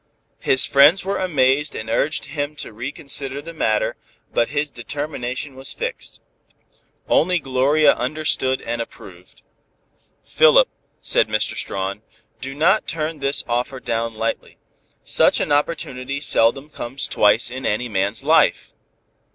His friends were amazed and urged him to reconsider the matter, but his determination was fixed. Only Gloria understood and approved. "Philip," said Mr. Strawn, "do not turn this offer down lightly. Such an opportunity seldom comes twice in any man's life."